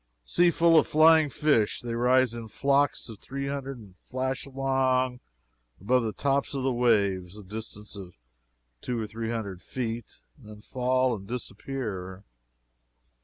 Sea full of flying fish. They rise in flocks of three hundred and flash along above the tops of the waves a distance of two or three hundred feet, then fall and disappear.